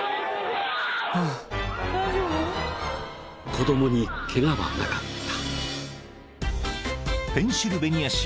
［子供にケガはなかった］